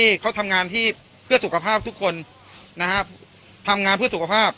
ที่เขาทำงานที่เพื่อสุขภาพทุกคนนะฮะทำงานเพื่อสุขภาพ